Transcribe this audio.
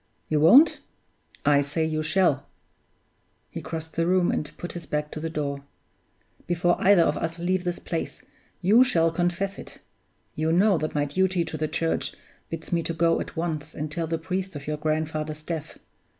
You won't? I say you shall!" (He crossed the room and put his back to the door.) "Before either of us leave this place, you shall confess it! You know that my duty to the Church bids me to go at once and tell the priest of your grandfather's death.